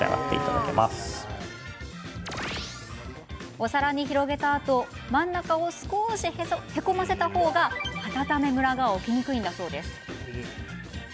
お皿に広げたあと真ん中を少しへこませた方が温めムラが起きにくいんだそう。